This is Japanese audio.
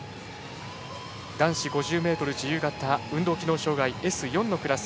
男子５０ｍ自由形運動機能障がいＳ４のクラス。